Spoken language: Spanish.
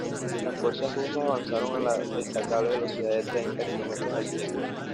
Las fuerzas rusas avanzaron a la destacable velocidad de treinta kilómetros al día.